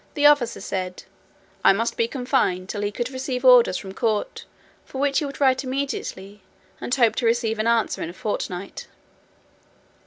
The officer said, "I must be confined till he could receive orders from court, for which he would write immediately, and hoped to receive an answer in a fortnight."